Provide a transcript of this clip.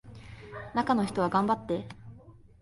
中の人は頑張って